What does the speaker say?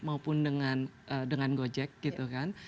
maupun dengan gojek gitu kan